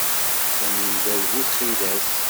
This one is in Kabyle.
Sami yella d bu txidas.